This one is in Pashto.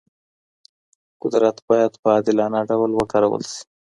قدرت باید په عادلانه ډول وکارول سي.